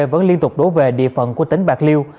vẫn liên tục đổ về địa phận của tỉnh bạc liêu